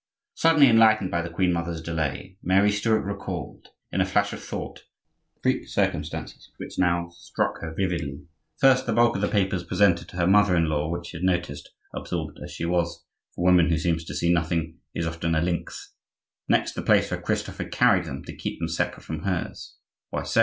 Suddenly enlightened by the queen mother's delay, Mary Stuart recalled, in a flash of thought, three circumstances which now struck her vividly; first, the bulk of the papers presented to her mother in law, which she had noticed, absorbed as she was,—for a woman who seems to see nothing is often a lynx; next, the place where Christophe had carried them to keep them separate from hers: "Why so?"